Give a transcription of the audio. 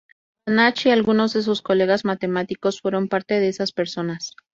Banach y algunos de sus colegas matemáticos fueron parte de esas personas.